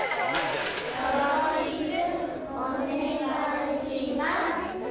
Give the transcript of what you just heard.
よろしくお願いします。